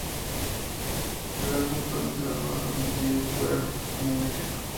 El álbum fue lanzado bajo el sello discográfico Sony Music.